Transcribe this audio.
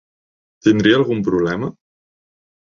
Tindria algun problema?